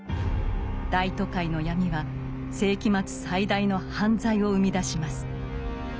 大都会の闇は世紀末最大の犯罪を生み出します。